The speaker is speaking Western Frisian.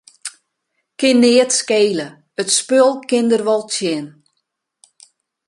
Kin neat skele, it spul kin der wol tsjin.